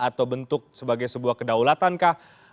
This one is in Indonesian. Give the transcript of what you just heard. atau bentuk sebagai sebuah kedaulatankah